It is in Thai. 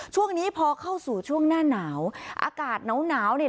ช่วงนี้พอเข้าสู่ช่วงหน้าหนาวอากาศหนาวหนาวเนี่ย